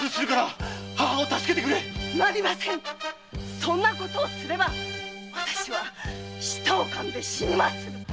そんな事をすれば私は舌をかんで死にます